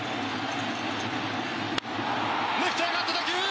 レフトへ上がった打球。